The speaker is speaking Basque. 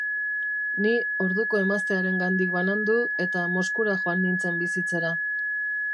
Ni, orduko emaztearengandik banandu, eta Moskura joan nintzen bizitzera.